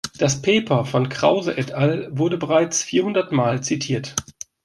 Das Paper von Krause et al. wurde bereits vierhundertmal zitiert.